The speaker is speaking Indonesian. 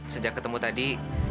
sejak ketemu tadi